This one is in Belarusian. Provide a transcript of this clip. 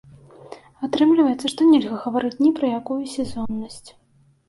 Атрымліваецца, што нельга гаварыць ні пра якую сезоннасць.